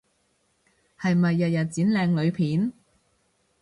係咪日日剪靚女片？